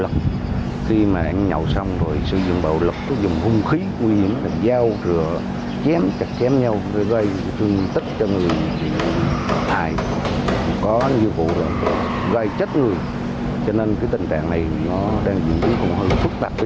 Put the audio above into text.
có nhiêu vụ gây chết người cho nên tình trạng này đang diễn ra cũng hơi phức tạp